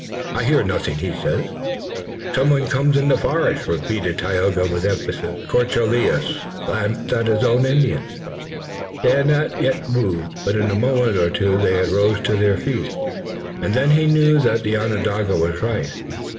"I hear nothing," he said. "Someone comes in the forest!" repeated Tayoga with emphasis. De Courcelles glanced at his own Indians. They had not yet moved, but in a moment or two they too rose to their feet, and then he knew that the Onondaga was right.